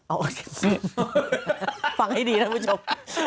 อ๋อโอเคฟังให้ดีนะผู้ชม